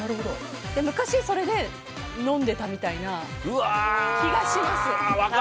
昔、それで飲んでたみたいな気がします。